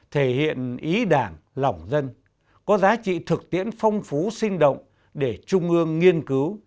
thể hiện ý đảng lỏng dân có giá trị thực tiễn phong phú sinh động để trung ương nghiên cứu